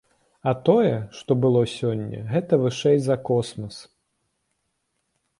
А тое, што было сёння, гэта вышэй за космас.